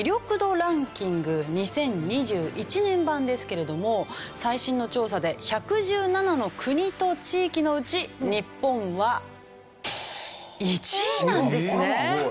ランキング２０２１年版ですけれども最新の調査で１１７の国と地域のうち日本は１位なんですね。